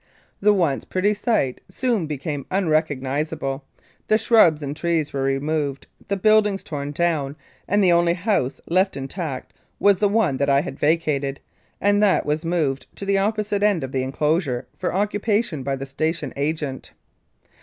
The once pretty site soon became unrecognisable, the shrubs and trees were removed, the buildings torn down, and the only house left intact was the one that I had vacated, and that was moved to the opposite end of the enclosure for occupation by the station agent.